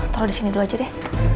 taruh di sini dulu aja deh